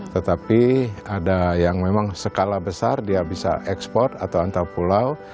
tetapi ada yang memang skala besar dia bisa ekspor atau antar pulau